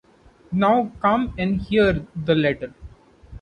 Now come and hear the letter.